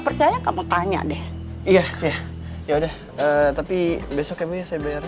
percaya kamu tanya deh iya ya udah tapi besoknya saya bayar